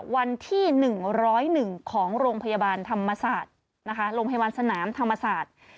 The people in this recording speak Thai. วันที่๑๐๑ของโรงพยาบาลสนามธรรมศาสตร์